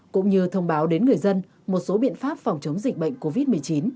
cũng như thông báo đến người dân một số biện pháp phòng chống dịch bệnh covid một mươi chín